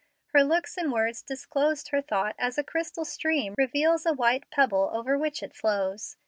Her looks and words disclosed her thought as a crystal stream reveals a white pebble over which it flows.